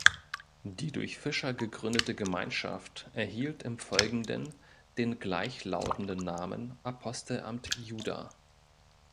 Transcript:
Die durch Fischer gegründete Gemeinschaft erhielt im Folgenden den gleichlautenden Namen "Apostelamt Juda".